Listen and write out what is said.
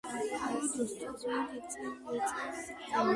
მხოლოდ ოსტატს ვერ ეწევა სიკვდილი